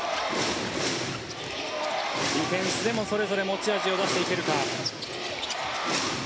ディフェンスでもそれぞれ持ち味を出していけるか。